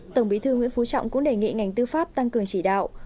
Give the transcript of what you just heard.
tổng bí thư nguyễn phú trọng cũng đề nghị ngành tư pháp tăng cường chỉ đạo